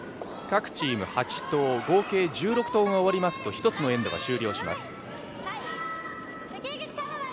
各チーム８投、合計１６投が終了しますと１つのエンドが終了します。